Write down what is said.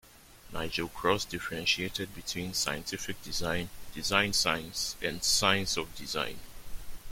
Nigel Cross differentiated between scientific design, design science and a science of design.